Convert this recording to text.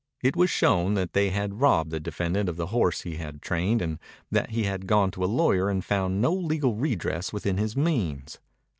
It was shown that they had robbed the defendant of the horse he had trained and that he had gone to a lawyer and found no legal redress within his means.